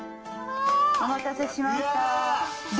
お待たせしました。